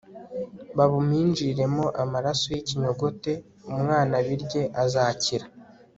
babuminjiremo amaraso y'ikinyogote, umwana abirye, azakira.